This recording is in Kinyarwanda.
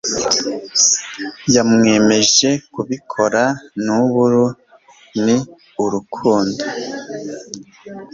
yamwemeje kubikora nub uru ni urukundo